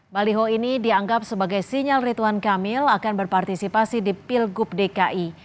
baliho ini dianggap sebagai sinyal rituan kamil akan berpartisipasi di pilgub dki